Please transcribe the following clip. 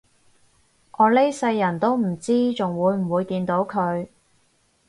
我呢世人都唔知仲會唔會見到佢